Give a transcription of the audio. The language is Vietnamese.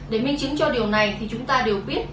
để minh chứng cho điều này thì chúng ta đều biết